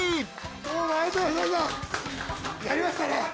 やりましたね。